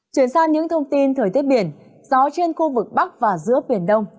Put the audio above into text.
chuyển sang những thông tin thời tiết biển gió trên khu vực bắc và giữa biển đông